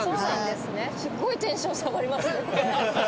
すごいテンション下がります。